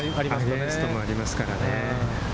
アゲンストもありますからね。